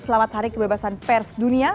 selamat hari kebebasan persedunia